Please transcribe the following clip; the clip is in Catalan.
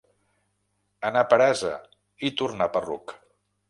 Anar per ase i tornar per ruc.